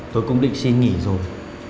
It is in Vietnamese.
tôi cũng định xin nghỉ rồi